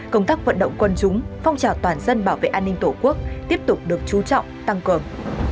công tác vận động quân chúng phong trào toàn dân bảo vệ an ninh tổ quốc tiếp tục được chú trọng tăng cường